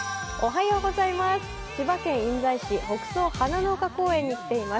千葉県印西市、北総花の丘公園に来ています。